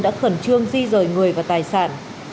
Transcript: đã khẩn trương di rời người và tài sản